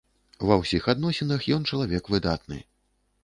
Ва ўсіх адносінах ён чалавек выдатны.